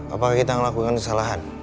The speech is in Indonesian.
apakah kita ngelakuin kesalahan